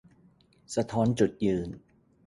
สะท้อนจุดยืน